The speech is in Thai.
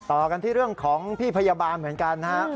ต่อกันที่เรื่องของพี่พยาบาลเหมือนกันนะฮะ